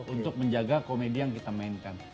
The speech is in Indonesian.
untuk menjaga komedi yang kita mainkan